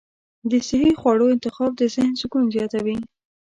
د صحي خواړو انتخاب د ذهن سکون زیاتوي.